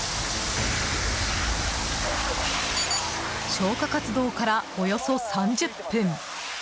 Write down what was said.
消火活動からおよそ３０分。